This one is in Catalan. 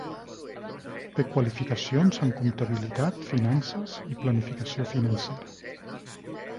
Té qualificacions en comptabilitat, finances i planificació financera.